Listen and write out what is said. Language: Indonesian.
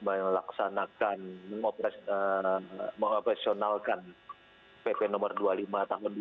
melaksanakan mengopresionalkan bp nomor dua puluh lima tahun dua ribu dua puluh